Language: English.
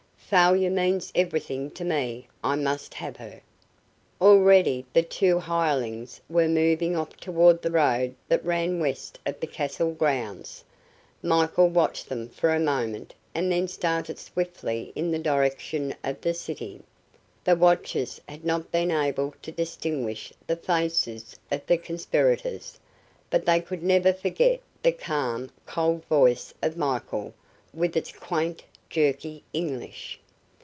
"Failure means everything to me! I must have her!" Already the two hirelings were moving off toward the road that ran west of the castle grounds. Michael watched them for a moment and then started swiftly in the direction of the city. The watchers had not been able to distinguish the faces of the conspirators, but they could never forget the calm, cold voice of Michael, with its quaint, jerky English.